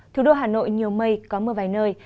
thủ đô hà nội nhiều mây có mưa vài nơi